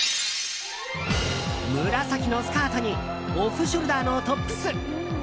紫のスカートにオフショルダーのトップス。